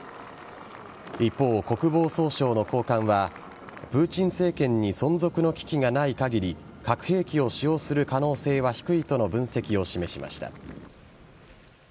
一方、国防総省の高官はプーチン政権に存続の危機がない限り核兵器を使用する可能性は低いとの分析を示しました。